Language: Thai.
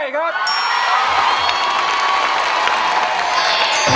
ร้อง